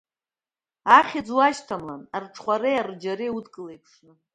Ахьӡ уашьҭамлан, арҽхәареи арџьареи удкыл еиԥшны.